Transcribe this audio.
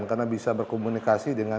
karena bisa berkomunikasi dengan